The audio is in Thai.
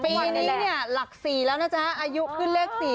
ปีนี้หลักสี่แล้วนะจ๊ะอายุขึ้นเลขสี่